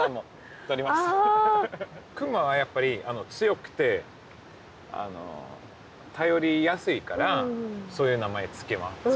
熊はやっぱり強くて頼りやすいからそういう名前付けます。